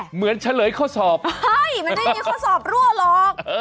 เหมือนเฉลยข้อสอบใช่มันไม่ได้มีข้อสอบรั่วหรอก